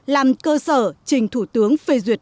làm cơ sở trình thủ tướng phê duyệt chủ trương